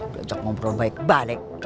gajak ngobrol baik baik